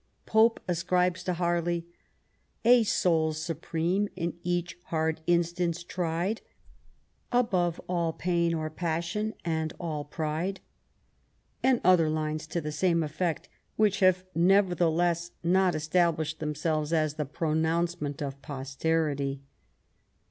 Pope ascribes to Harley :" A soul supreme in each hard instance tried, Above aU pain or passion, and all pride," and other lines to the same effect which have neverthe less not established themselves as the pronouncement of posterity.